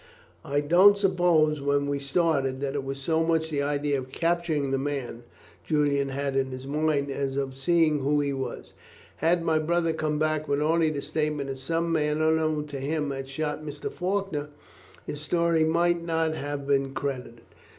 "I don't suppose when he started, that it was so much the idea of capturing the man, Julian had in his mind, as of seeing who he was. Had my brother come back with only the statement that some man unknown had shot Mr. Faulkner, his story might not have been credited.